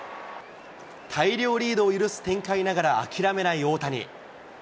大量リードを許す展開ながら、諦めない大谷。